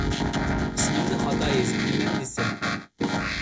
ئىسمىمنى خاتا يېزىپتىمەن دېسە.